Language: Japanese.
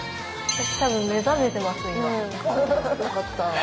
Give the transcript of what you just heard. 私多分目覚めてます今。